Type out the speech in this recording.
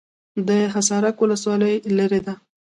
د حصارک ولسوالۍ لیرې ده